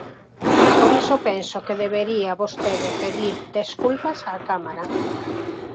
Por iso penso que debería vostede pedir desculpas á Cámara.